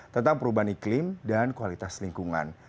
tentang perubahan iklim dan kualitas lingkungan